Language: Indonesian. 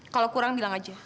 kalau kurang bilang aja